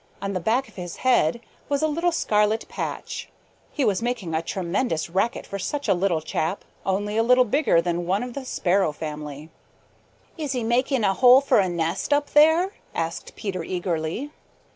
On the back of his head was a little scarlet patch. He was making a tremendous racket for such a little chap, only a little bigger than one of the Sparrow family. "Is he making a hole for a nest up there?" asked Peter eagerly.